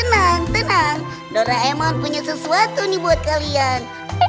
tenang tenang doraemon punya sesuatu nih buat kalian